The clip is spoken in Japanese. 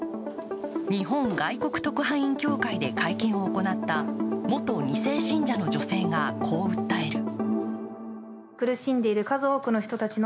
日本外国特派員協会で会見を行った元２世信者の女性が、こう訴える。